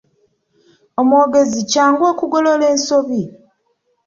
Omwogezi kyangu okugolola ensobi.